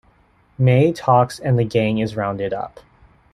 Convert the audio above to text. Mae talks and the gang is rounded up.